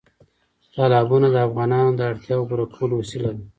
تالابونه د افغانانو د اړتیاوو پوره کولو وسیله ده.